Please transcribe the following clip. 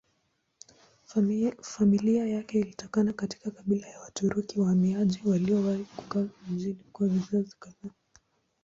Familia yake ilitoka katika kabila ya Waturuki wahamiaji waliowahi kukaa mjini kwa vizazi kadhaa.